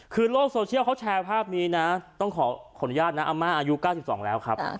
คือโลกโซเชียลเขาแชร์ภาพนี้นะต้องขออนุญาตนะอาม่าอายุ๙๒แล้วครับ